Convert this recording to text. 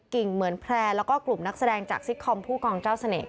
เหมือนแพร่แล้วก็กลุ่มนักแสดงจากซิกคอมผู้กองเจ้าเสน่ห